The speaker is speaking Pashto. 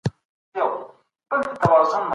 د دوی د خوښي وړ کس پرته د بل چا سره نکاح نسي کولای.